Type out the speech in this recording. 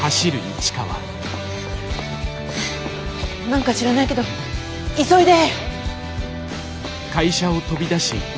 何か知らないけど急いで！